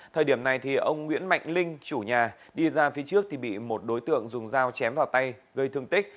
thời điểm này ông nguyễn mạnh linh chủ nhà đi ra phía trước thì bị một đối tượng dùng dao chém vào tay gây thương tích